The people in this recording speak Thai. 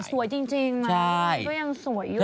สวยจริงก็ยังสวยอยู่